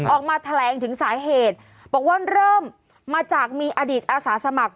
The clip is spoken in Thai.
ออกมาแถลงถึงสาเหตุบอกว่าเริ่มมาจากมีอดีตอาสาสมัคร